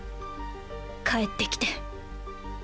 帰ってきて。